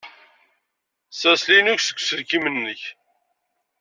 Ssers Linux deg uselkim-nnek!